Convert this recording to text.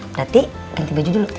berarti ganti baju dulu